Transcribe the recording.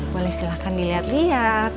boleh silahkan dilihat lihat